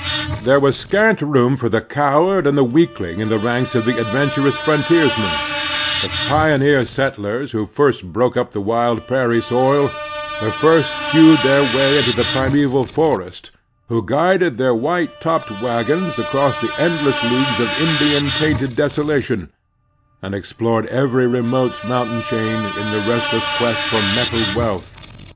There was scant room for the coward and the weakling in the ranks of the adventurous frontiers men — the pioneer settlers who first broke up the wild prairie soil, who first hewed their way into the primeval forest, who guided their white topped Manhood and Statehood 241 wagons across the endless leagues of Indian hatinted desolation, and explored every remote motintain chain in the restless quest for metal wealth.